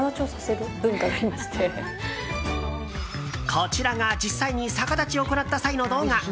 こちらが実際に逆立ちを行った際の動画。